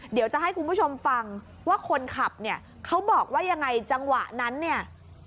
เดี๋ยวจะให้คุณผู้ชมฟังว่าคนขับเนี่ยเขาบอกว่ายังไงจังหวะนั้นเนี่ย